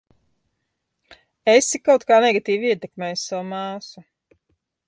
Esi kaut kā negatīvi ietekmējusi savu māsu.